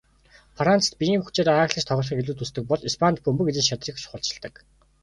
Францад биеийн хүчээр ааглаж тоглохыг илүүд үздэг бол Испанид бөмбөг эзэмших чадварыг чухалчилдаг.